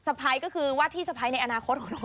สะไพรก็คือวัดที่สะไพรในอนาคตโอ้